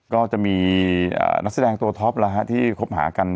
ก็จะมีนักแสดงตัวท็อปที่คบหากัน